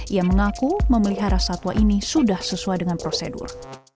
ia mengaku memelihara satwa ini sudah sesuai dengan prosedur